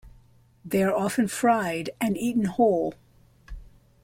They are often fried and eaten whole.